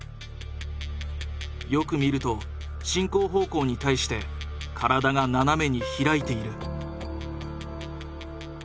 よく見ると進行方向に対して体が斜めに開いている。